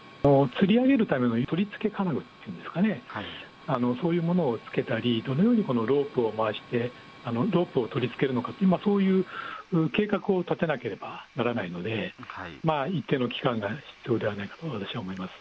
つり上げるための取り付け金具っていうんですかね、そういうものを付けたり、どのようにロープを回して、ロープを取り付けるのか、そういう計画を立てなければならないので、一定の期間が必要ではないかと私は思います。